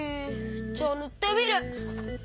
じゃあぬってみる！